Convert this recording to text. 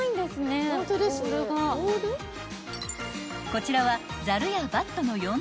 ［こちらは］